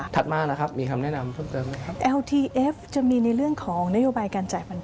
ถัดมานะครับมีคำแนะนำเพิ่มเติมไหมครับ